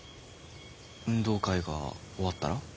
運動会が終わったら。